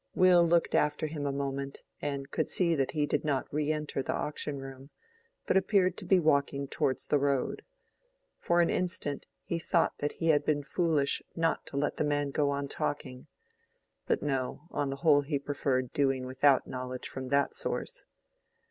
Will looked after him a moment, and could see that he did not re enter the auction room, but appeared to be walking towards the road. For an instant he thought that he had been foolish not to let the man go on talking;—but no! on the whole he preferred doing without knowledge from that source.